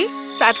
saat dia berhenti